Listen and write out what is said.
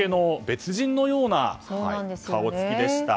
別人のような顔つきでした。